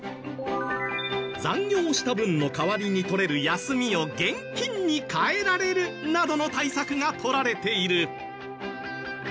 残業した分の代わりに取れる休みを現金に換えられるなどの対策がとられている。